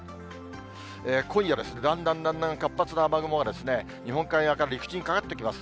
今夜ですね、だんだんだんだん活発な雨雲が日本海側から陸地にかかってきます。